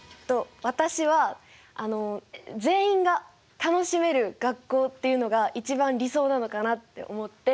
私はあの全員が楽しめる学校っていうのが一番理想なのかなって思って。